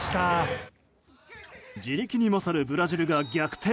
地力に勝るブラジルが逆転。